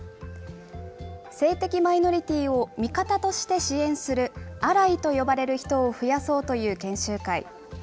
性的マイノリティーを味方として支援する、アライと呼ばれる人を増やそうという研修会。